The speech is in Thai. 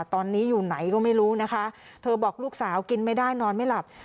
ตอนนี้อยู่ไหนก็ไม่รู้นะคะเธอบอกลูกสาวกินไม่ได้นอนไม่หลับ